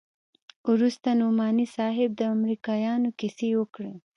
وروسته نعماني صاحب د امريکايانو کيسې وکړې.